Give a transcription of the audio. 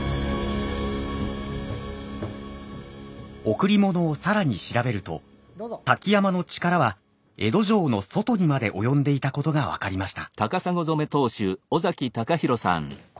贈り物を更に調べると瀧山の力は江戸城の外にまで及んでいたことが分かりました。